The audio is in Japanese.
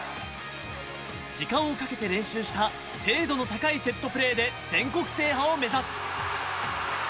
時間をかけて練習した精度の高いセットプレーで全国制覇を目指す。